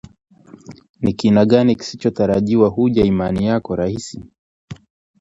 ni kina gani kisichotarajiwa huja imani yako rahisi